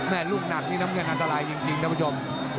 ลูกหนักนี่น้ำเงินอันตรายจริงท่านผู้ชม